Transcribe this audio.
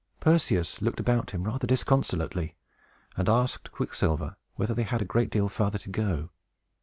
Perseus looked about him, rather disconsolately, and asked Quicksilver whether they had a great deal farther to go.